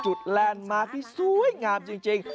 แลนด์มาร์คที่สวยงามจริง